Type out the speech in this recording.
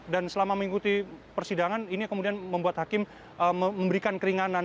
dan selama mengikuti persidangan ini kemudian membuat hakim memberikan keringanan